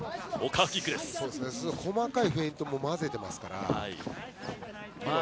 細かいフェイントも混ぜていますから。